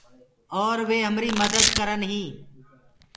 اور وي همري مدد ڪرن هينٚ۔